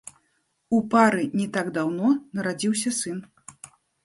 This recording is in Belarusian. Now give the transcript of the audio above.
У пары не так даўно нарадзіўся сын.